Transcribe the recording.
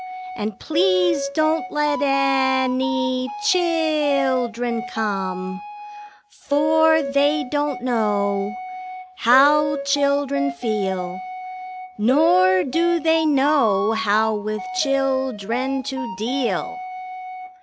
And please don't let any chil i il dren come, For they don't know How children feel, Nor do they know how with chil dren to deal.